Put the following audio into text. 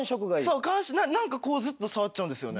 そう何かこうずっと触っちゃうんですよね。